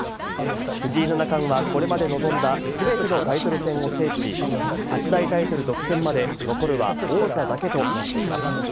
藤井七冠はこれまで臨んだ全てのタイトル戦を制し、八大タイトル独占まで残るは王座だけとなっています。